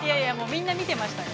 みんな見てましたよ。